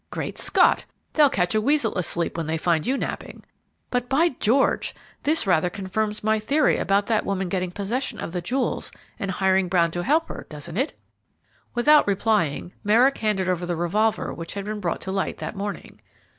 "Great Scott! They'll catch a weasel asleep when they find you napping! But, by George! this rather confirms my theory about that woman getting possession of the jewels and hiring Brown to help her, doesn't it?" Without replying, Merrick handed over the revolver which had been brought to light that morning.